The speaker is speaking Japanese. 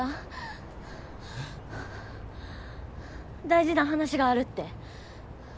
大事な話があるって。